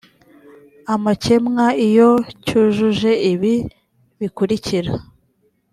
amakemwa iyo cyujuje ibi bikurikira